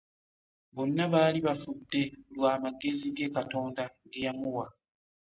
Bonna baali bafudde lwa magezi ge Katonda ge yamuwa.